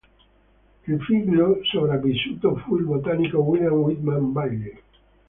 Il figlio sopravvissuto fu il botanico William Whitman Bailey.